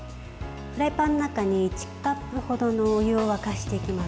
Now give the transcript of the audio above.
フライパンの中に１カップ程のお湯を沸かしていきます。